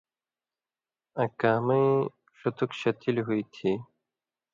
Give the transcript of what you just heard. آں کامیۡ ݜتُک شتِلیۡ ہُوئ تھی